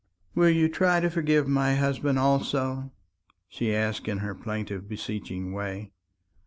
"Will you try to forgive my husband also?" she asked in her plaintive beseeching way.